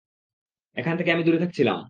এখান থেকে আমি দূরে থাকছিলাম।